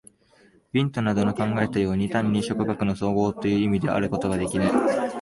ヴントなどの考えたように、単に諸科学の綜合という意味であることができぬ。